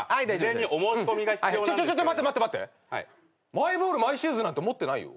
マイボールマイシューズなんて持ってないよ。